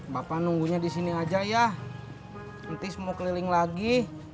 bapak nunggunya di sini aja ya nanti mau keliling lagi